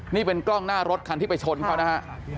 นี่เป็นกล้องหน้ารถคันที่ไปชนเขานะฮะ